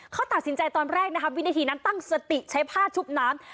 เขาตัดสินใจตอนแรกนะครับวินาทีนั้นตั้งสติใช้ผ้าชุบน้ำ